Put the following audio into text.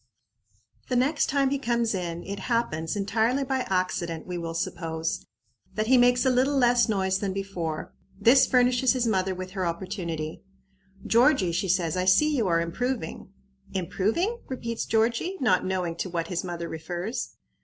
The next time he comes in it happens entirely by accident, we will suppose that he makes a little less noise than before. This furnishes his mother with her opportunity. "Georgie," she says, "I see you are improving." "Improving?" repeats Georgie, not knowing to what his mother refers.